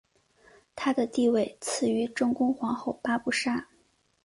她的地位次于正宫皇后八不沙。